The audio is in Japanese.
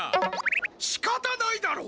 しかたないだろ！